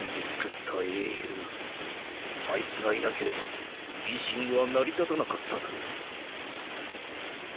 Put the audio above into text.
あいつがいなければ維新は成り立たなかっただろう。